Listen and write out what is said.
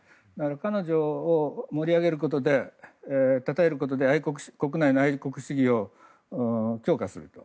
彼女を盛り上げることでたたえることで国内の愛国主義を強化すると。